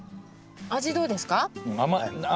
味どうですか？